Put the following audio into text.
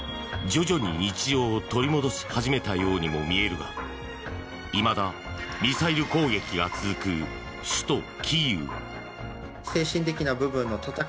徐々に、日常を取り戻し始めたようにも見えるがいまだミサイル攻撃が続く首都キーウ。